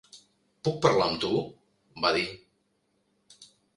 "Puc parlar amb tu?" va dir.